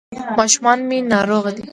ماشومان مي ناروغه دي ..